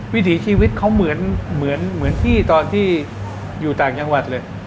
วิถีชีวิตเขาเหมือนที่ตอนที่อยู่ต่างจังหวัดเลย